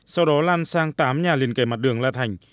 sau đó lan sang tám nhà liền kề mặt đường la thành